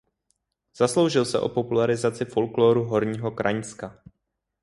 Zasloužil se o popularizaci folklóru Horního Kraňska.